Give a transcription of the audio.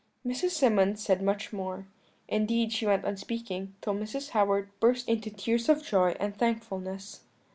"Mrs. Symonds said much more; indeed she went on speaking till Mrs. Howard burst into tears of joy and thankfulness.